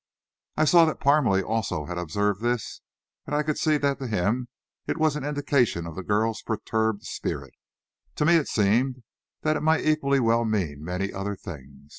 I saw that Parmalee also had observed this, and I could see that to him it was an indication of the girl's perturbed spirit. To me it seemed that it might equally well mean many other things.